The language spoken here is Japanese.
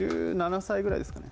１７歳ぐらい？